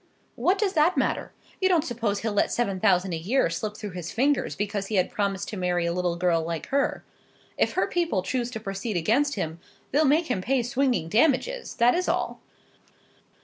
"What does that matter? You don't suppose he'll let seven thousand a year slip through his fingers because he had promised to marry a little girl like her? If her people choose to proceed against him they'll make him pay swinging damages; that is all."